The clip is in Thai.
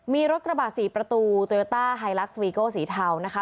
มีรถกระบะ๔ประตูโตโยต้าไฮลักษวีโก้สีเทานะคะ